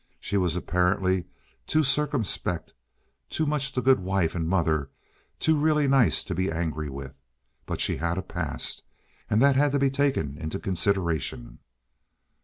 She was apparently too circumspect, too much the good wife and mother, too really nice to be angry with; but she had a past, and that had to be taken into consideration.